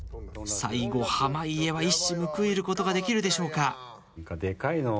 最後濱家は一矢報いることができるでしょうか？